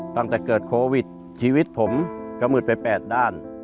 ตั้งแต่เกิดโควิดชีวิตผมก็มืดไป๘ด้าน